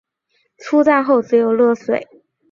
出站后只有热水